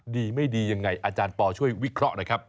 ดีไม่ดียังไงอาจารย์ปอช่วยวิเคราะห์หน่อยครับ